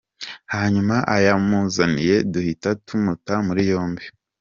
Hanyuma ayamuzaniye duhita tumuta muri yombi”.